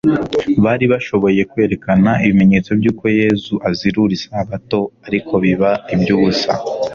bari bashoboye kwerekana ibimenyetso by'uko Yesu azirura isabato, ariko biba iby'ubusa.